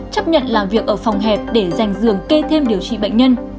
chấp nhận làm việc ở phòng hẹp để dành giường kê thêm điều trị bệnh nhân